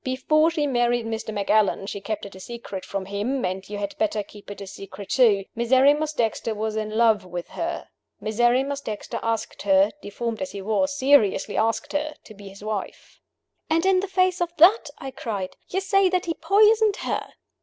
Before she married Mr. Macallan she kept it a secret from him, and you had better keep it a secret too Miserrimus Dexter was in love with her. Miserrimus Dexter asked her deformed as he was, seriously asked her to be his wife." "And in the face of that," I cried, "you say that he poisoned her!"